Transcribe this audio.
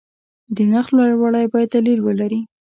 د نرخ لوړوالی باید دلیل ولري.